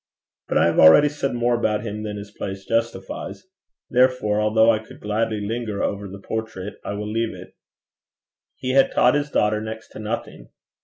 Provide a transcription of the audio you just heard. But I have already said more about him than his place justifies; therefore, although I could gladly linger over the portrait, I will leave it. He had taught his daughter next to nothing.